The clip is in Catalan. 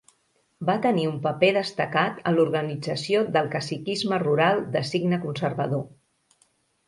Va tenir un paper destacat en l'organització del caciquisme rural de signe conservador.